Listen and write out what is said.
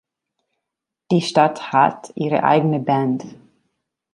Die Stadt hat ihre eigene Band.